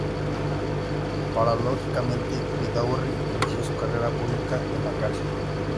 Paradójicamente, Vidaurri inició su carrera pública en la cárcel.